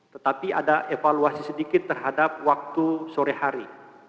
tetapi ada evaluasi sedikit terhadap waktu sore hari